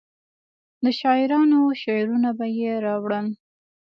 د شاعرانو شعرونه به یې راوړل.